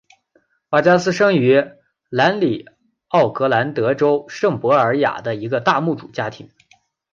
瓦加斯生于南里奥格兰德州圣博尔雅一个大牧主家庭。